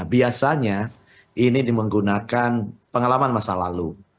biasanya ini menggunakan pengalaman masa lalu